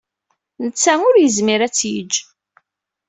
Netta ur yezmir ad tt-yejj.